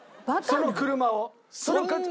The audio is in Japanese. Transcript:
その車を。